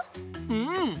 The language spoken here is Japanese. うん！